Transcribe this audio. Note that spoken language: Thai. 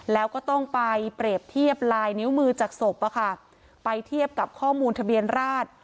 แล้วก็ต้องไปเปรียบเทียบลายนิ้วมือจากศพไปเทียบกับข้อมูลทะเบียนราช